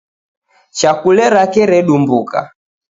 Chakule rake redumbuka.